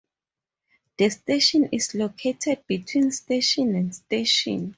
The station is located between station and station.